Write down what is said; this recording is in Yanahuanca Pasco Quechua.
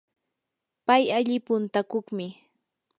pay alli puntakuqmi.